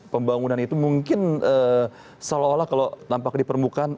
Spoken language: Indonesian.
pembangunan itu mungkin seolah olah kalau tampak di permukaan